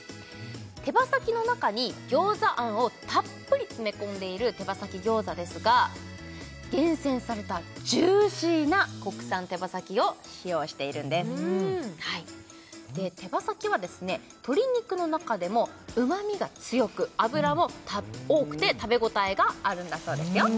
手羽先の中に餃子あんをたっぷり詰め込んでいる手羽先餃子ですが厳選されたジューシーな国産手羽先を使用しているんです手羽先は鶏肉の中でもうまみが強く脂も多くて食べ応えがあるんだそうですよ